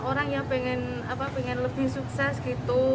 orang yang pengen lebih sukses gitu